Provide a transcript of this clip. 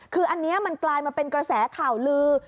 คืออันนี้มันกลายมาเป็นกระแสข่าวลือ